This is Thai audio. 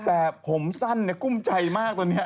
แต่ผมสั้นเนี่ยกุ้มใจมากตัวเนี่ย